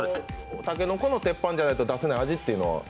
竹の子の鉄板じゃないと出せない味というのは？